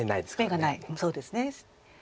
眼がないそうですね。